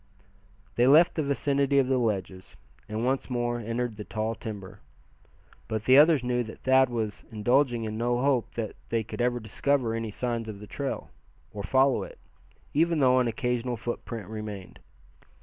They left the vicinity of the ledges, and once more entered the tall timber. But the others knew that Thad was indulging in no hope that they could discover any signs of the trail, or follow it, even though an occasional footprint remained.